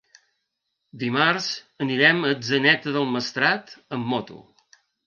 Dimarts anirem a Atzeneta del Maestrat amb moto.